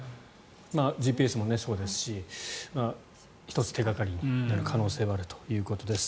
ＧＰＳもそうですし１つ、手掛かりになる可能性はあるということです。